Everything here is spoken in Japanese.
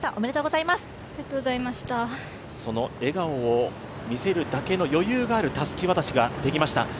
その笑顔を見せるだけの余裕があるたすき渡しが出来ました